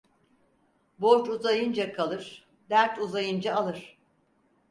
Borç uzayınca kalır, dert uzayınca alır.